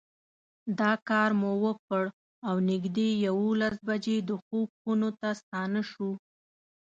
دا کار مو وکړ او نږدې یوولس بجې د خوب خونو ته ستانه شوو.